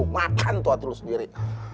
makan tuh atur sendiri